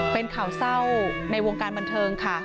เป็นข่าวเศร้าในวงการบันเทิงค่ะ